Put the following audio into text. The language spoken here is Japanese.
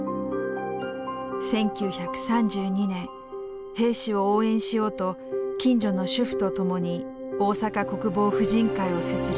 １９３２年兵士を応援しようと近所の主婦と共に大阪国防婦人会を設立。